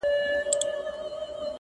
• وايي رود چي سمندر ته دا خلیږي -